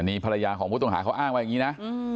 นี่ภรรยาของผู้ต้องหาเขาอ้างไว้อย่างนี้นะ